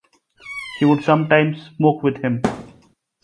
She would sometimes smoke with him.